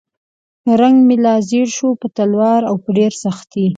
رنګ مې لا ژیړ شو په تلوار او په ډېرې سختۍ.